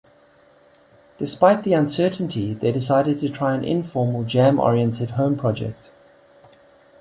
Despite the uncertainty they decided to try an informal jam-oriented home project.